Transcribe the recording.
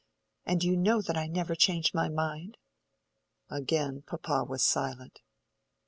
And you know that I never change my mind." Again papa was silent.